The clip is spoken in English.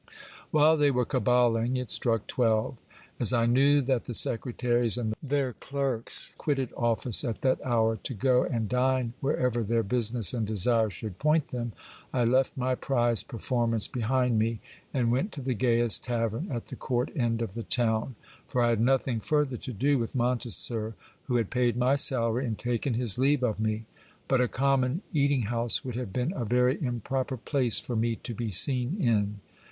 While they were caballing it struck twelve As I knew that the secretaries and their clerks quitted office at that hour to go and dine wherever their busi ness and desire should point them, I left my prize performance behind me, and went to the gayest tavern at the court end of the town, for I had nothing further to do with Monteser, who had paid my salary, and taken his leave of me But a common eating house would have been a very improper place for me to be seen in.